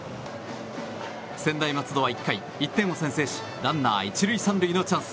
専大松戸は１回１点を先制しランナー１塁３塁のチャンス。